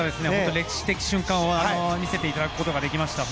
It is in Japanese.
歴史的瞬間を見せていただくことができました。